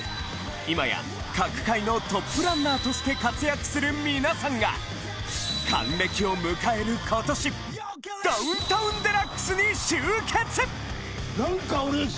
今や各界のトップランナーとして活躍する皆さんが還暦を迎える今年『ダウンタウンＤＸ』に集結！